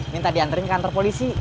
minta dianterin ke kantor polisi